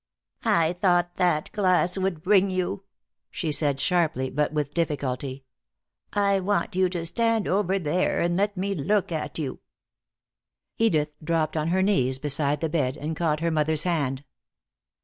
"I thought that glass would bring you," she said sharply, but with difficulty. "I want you to stand over there and let me look at you." Edith dropped on her knees beside the bed, and caught her mother's hand.